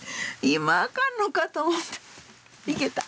今あかんのかと思った。